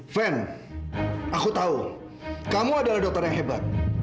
van aku tahu kamu adalah dokter yang hebat